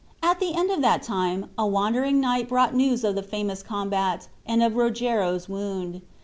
At the end of that time, a wandering knight brought news of the famous combat, and of Rogero's wound.